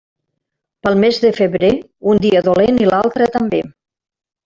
Pel mes de febrer, un dia dolent i l'altre també.